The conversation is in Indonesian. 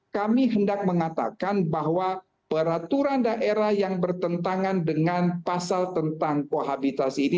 kami hendak mengatakan bahwa peraturan daerah yang bertentangan dengan pasal tentang kohabitasi ini